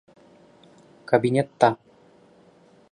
Кабинетта.